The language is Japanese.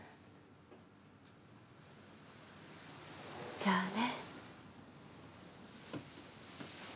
じゃあね。